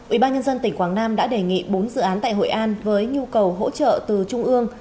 ubnd tỉnh quảng nam đã đề nghị bốn dự án tại hội an với nhu cầu hỗ trợ từ trung ương